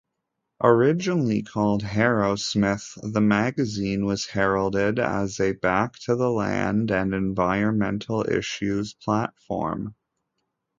Originally called Harrowsmith, the magazine was heralded as a back-to-the-land and environmental issues platform.